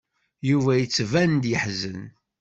Yuba yettban-d yeḥzen.